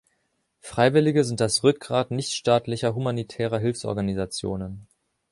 Freiwillige sind das Rückgrat nichtstaatlicher humanitärer Hilfsorganisationen.